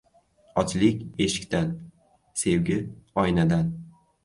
• Ochlik — eshikdan, sevgi — oynadan.